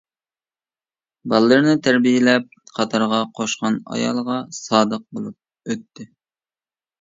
بالىلىرىنى تەربىيەلەپ قاتارغا قوشقان ئايالىغا سادىق بولۇپ ئۆتتى.